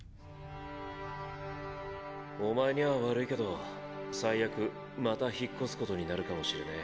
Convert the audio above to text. お前には悪いけど最悪また引っ越すことになるかもしれねぇ。